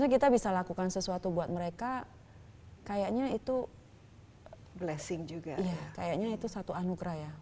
kita bisa lakukan sesuatu buat mereka kayaknya itu blessing juga kayaknya itu satu anugerah ya